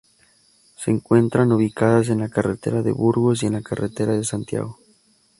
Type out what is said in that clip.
Se encuentran ubicadas en la Carretera de Burgos y en la Carretera de Santiago.